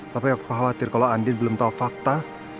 tapi aku khawatir kalo andin belum tau fakta